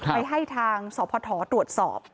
ไปให้ทางสพตรวจสอบ